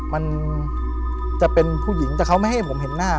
มันจะเป็นผู้หญิงแต่เขาไม่ให้ผมเห็นหน้า